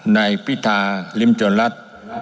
ในพิธาริมจรรย์รัฐ